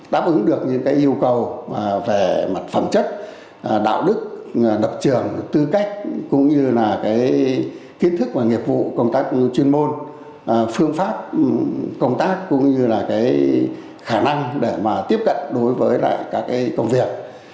đáp ứng được những yêu cầu về mặt phẩm chất đạo đức lập trường tư cách cũng như là cái kiến thức và nghiệp vụ công tác chuyên môn phương pháp công tác cũng như là cái khả năng để mà tiếp cận đối với các cái công việc